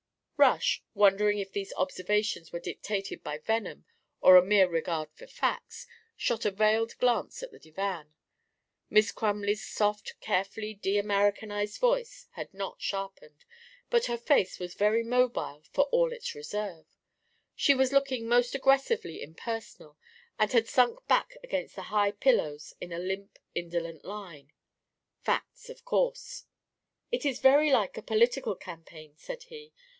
Rush, wondering if these observations were dictated by venom or a mere regard for facts, shot a veiled glance at the divan; Miss Crumley's soft carefully de Americanised voice had not sharpened, but her face was very mobile for all its reserve. She was looking almost aggressively impersonal and had sunk back against the high pillows in a limp indolent line. Facts, of course! "It is very like a political campaign," said he.